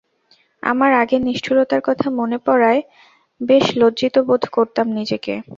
আমার আগের নিষ্ঠুরতার কথা মনে পড়ায় বেশ লজ্জিত বোধ করতাম নিজেকে।